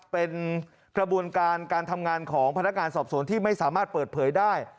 เป็นกระบวนการการทำงานของพนักงานสอบสวนที่ไม่สามารถเปิดเผยได้